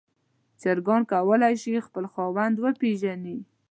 چرګان کولی شي خپل خاوند وپیژني.